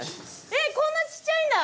えっこんなちっちゃいんだ。